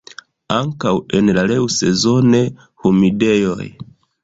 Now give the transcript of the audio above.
Ankaŭ en laŭsezone humidejoj.